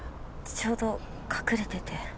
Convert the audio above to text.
ちょうど隠れてて。